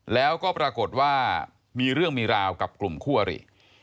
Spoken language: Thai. แล้วก็ปรากฏว่ามีเรื่องมีราวกับกลุ่มคู่อริ